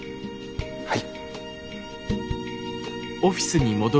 はい。